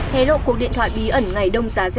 hè lộ cuộc điện thoại bí ẩn ngày đông giá z